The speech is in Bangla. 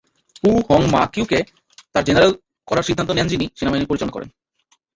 পু হং মা কিউকে তার জেনারেল করার সিদ্ধান্ত নেন যিনি সেনাবাহিনী পরিচালনা করেন।